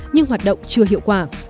nhưng hoạt động chưa hiệu quả